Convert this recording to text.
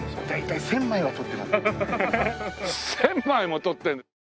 １０００枚も撮って。